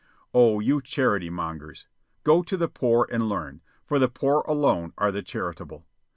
Oh, you charity mongers! Go to the poor and learn, for the poor alone are the charitable.